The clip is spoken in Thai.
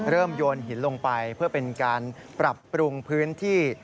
โยนหินลงไปเพื่อเป็นการปรับปรุงพื้นที่